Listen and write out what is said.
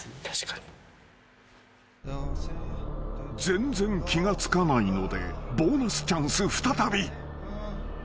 ［全然気が付かないのでボーナスチャンス再び］